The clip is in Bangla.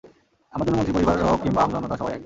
আমার জন্য মন্ত্রীর পরিবার হোক কিংবা আমজনতা সবাই এক।